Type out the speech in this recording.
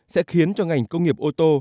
sẽ khiến cho ngành công nghiệp ô tô